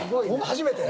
初めて。